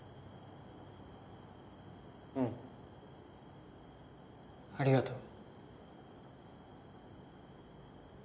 うんありがとう。